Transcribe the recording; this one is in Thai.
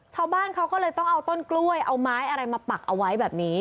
ชาวบ้านเขาก็เลยต้องเอาต้นกล้วยเอาไม้อะไรมาปักเอาไว้แบบนี้